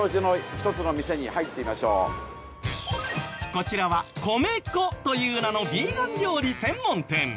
こちらはＣＯＭＥＣＯという名のヴィーガン料理専門店。